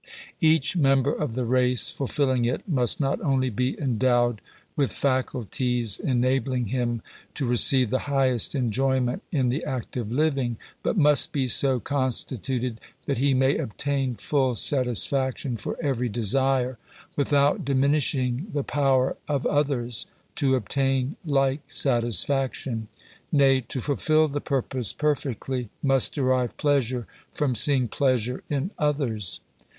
Each member of the race fulfilling it, must not only be endowed with faculties enabling him to receive the highest enjoyment in the act of living, but must be so constituted that he may obtain full satisfaction for every desire, without diminishing the power of others to obtain like satisfaction : nay, to fulfil the purpose perfectly, must derive pleasure from seeing pleasure in others.